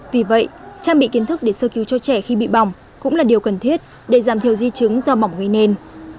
vì vậy trang bị kiến thức để sơ cứu cho trẻ khi bị bỏng cũng là điều cần thiết để giảm thiểu di chứng do mỏng gây nên